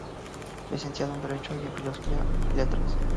Licenciado en derecho y en filosofía y letras.